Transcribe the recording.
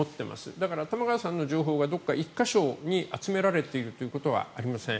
だから、玉川さんの情報がどこか１か所に集められているということはありません。